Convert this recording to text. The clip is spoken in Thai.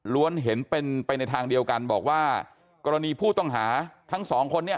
เห็นเป็นไปในทางเดียวกันบอกว่ากรณีผู้ต้องหาทั้งสองคนเนี่ย